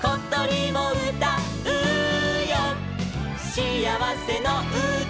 「しあわせのうた」